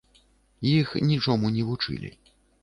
Іх нічому не вучылі.